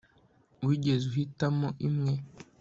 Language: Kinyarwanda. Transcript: wigeze uhitamo imwe